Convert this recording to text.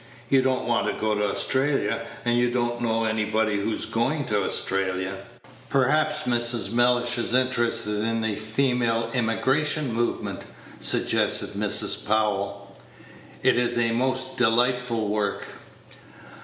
"You don't want to go to Australia, and you don't know anybody who's going to Australia?" "Perhaps Mrs. Mellish is interested in the Female Emigration movement," suggested Mrs. Powell: "it is a most delightful work."